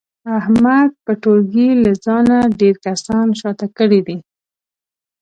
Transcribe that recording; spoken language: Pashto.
احمد په ټولګي له ځانه ډېر کسان شاته کړي دي.